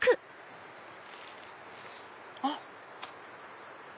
あっ。